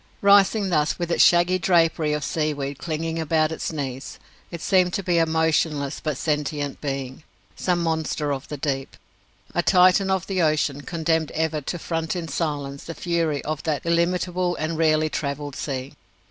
Rising thus, with its shaggy drapery of seaweed clinging about its knees, it seemed to be a motionless but sentient being some monster of the deep, a Titan of the ocean condemned ever to front in silence the fury of that illimitable and rarely travelled sea.